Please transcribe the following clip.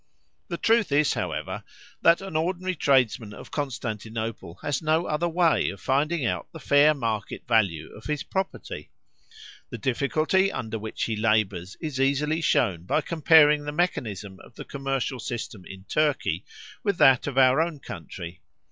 The truth is, however, that an ordinary tradesman of Constantinople has no other way of finding out the fair market value of his property. The difficulty under which he labours is easily shown by comparing the mechanism of the commercial system in Turkey with that of our own country.